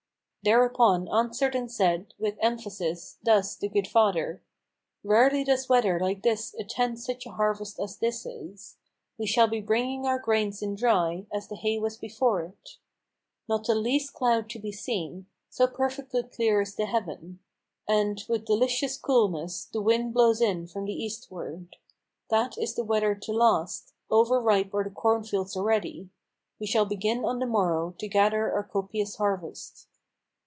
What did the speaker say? Thereupon answered and said, with emphasis, thus, the good father: "Rarely does weather like this attend such a harvest as this is. We shall be bringing our grain in dry, as the hay was before it. Not the least cloud to be seen, so perfectly clear is the heaven; And, with delicious coolness, the wind blows in from the eastward. That is the weather to last! over ripe are the cornfields already; We shall begin on the morrow to gather our copious harvest."